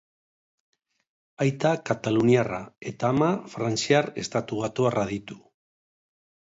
Aita kataluniarra eta ama frantziar-estatubatuarra ditu.